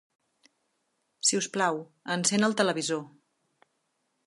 Si us plau, encén el televisor.